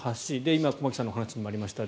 今、駒木さんの話にありました